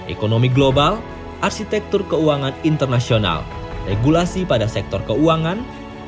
ekonomi global arsitektur keuangan internasional regulasi pada sektor keuangan